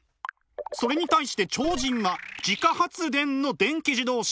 それに対して超人は自家発電の電気自動車。